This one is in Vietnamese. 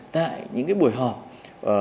tại những cái buổi họp này